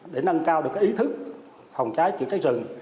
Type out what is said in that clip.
để nâng cao được ý thức phòng cháy chữa cháy rừng